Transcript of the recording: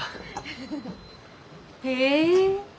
へえ。